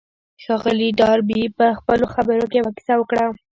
ښاغلي ډاربي په خپلو خبرو کې يوه کيسه وکړه.